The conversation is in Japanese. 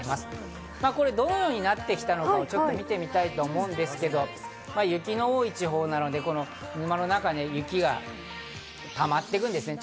どのようになってきたのか見て行きたいと思うんですけど、雪の多い地方なので沼の中に雪が溜まっていくんですね。